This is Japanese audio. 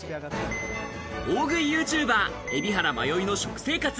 大食いＹｏｕＴｕｂｅｒ・海老原まよいの食生活。